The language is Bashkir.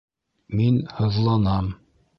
Мин һыҙланам.